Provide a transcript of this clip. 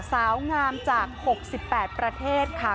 สาวงามจาก๖๘ประเทศค่ะ